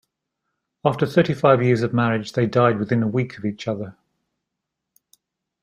After thirty-five years of marriage they died within a week of each other.